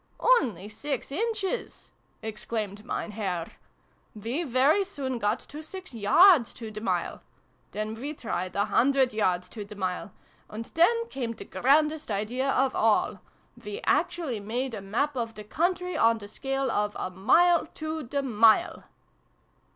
'" Only six inches !" exclaimed Mein Herr. " We very soon got to six yards to the mile. Then we tried a hundred yards to the mile. And then came the grandest idea of all ! We actually made a map of the country, on the scale of a mile to the mile